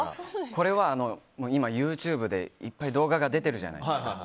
これは今ＹｏｕＴｕｂｅでいっぱい動画が出てるじゃないですか。